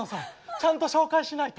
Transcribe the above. ちゃんと紹介しないと。